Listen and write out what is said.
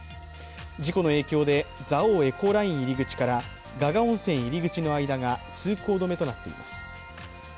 事故の影響で蔵王エコーライン入り口から峩々温泉入り口の間が通行止めとなっています。